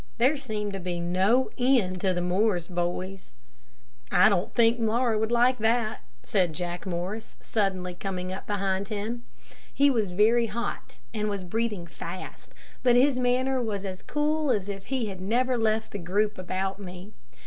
There seemed to be no end to the Morris boys. "I don't think Laura would like that," said Jack Morris, suddenly coming up behind him. He was very hot, and was breathing fast, but his manner was as cool as if he had never left the group about me.